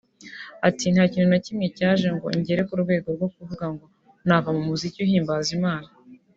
Ati “Nta kintu na kimwe cyaje ngo ngere ku rwego rwo kuvuga ngo nava mu muziki uhimbaza Imana